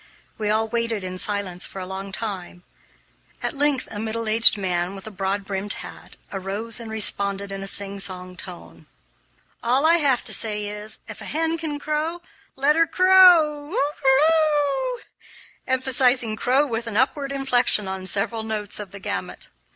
We all waited in silence for a long time; at length a middle aged man, with a broad brimmed hat, arose and responded in a sing song tone: "All I have to say is, if a hen can crow, let her crow," emphasizing "crow" with an upward inflection on several notes of the gamut.